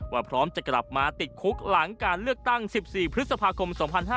พร้อมจะกลับมาติดคุกหลังการเลือกตั้ง๑๔พฤษภาคม๒๕๕๙